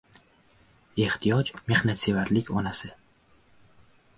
• Ehtiyoj ― mehnatsevarlik onasi.